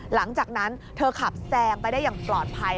หลังจากนั้นเธอขับแซงไปได้อย่างปลอดภัย